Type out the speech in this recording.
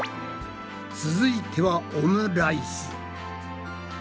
続いてはオムライス。